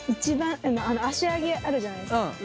足上げあるじゃないですか？